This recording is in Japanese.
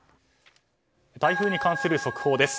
台風に関する速報です。